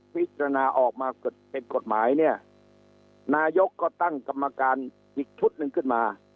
พิจารณาออกมาเป็นกฎหมายเนี่ยนายกก็ตั้งกรรมการอีกชุดหนึ่งขึ้นมา